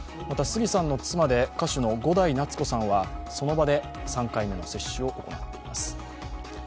また、杉さんの妻で歌手の伍代夏子さんはその場で３回目の接種を行っています。